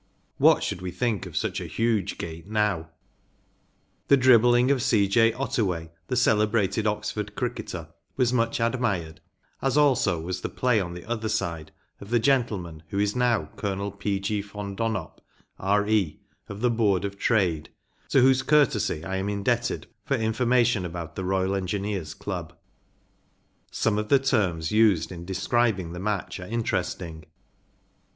What should we think of such a huge gate now ? The dribbling of C. J. Ottaway, the celebrated Oxford cricketer, was much admired, as also was the play on the other side of the gentleman who is now Colonel P. G. von Donop, R.E., of the Board of Trade, to whose courtesy I am indebted for information about the Royal Engineers Club. Some of the terms used in describing the match are interesting.